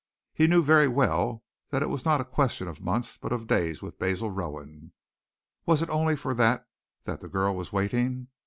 He knew very well that it was not a question of months but of days with Basil Rowan. Was it only for that that the girl was waiting?